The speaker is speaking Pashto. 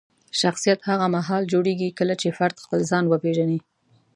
شخصیت هغه مهال جوړېږي کله چې فرد خپل ځان وپیژني.